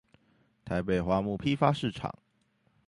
台北花木批發市場